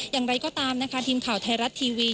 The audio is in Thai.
อย่างไรก็ตามนะคะทีมข่าวไทยรัฐทีวี